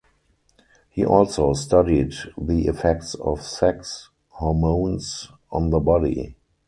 He also studied the effects of sex hormones on the body.